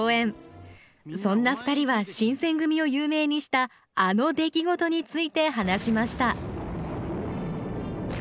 そんな２人は新選組を有名にしたあの出来事について話しました